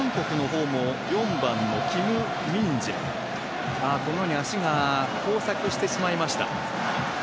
このように足が交錯してしまいました。